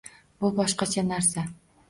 Bu boshqacha narsa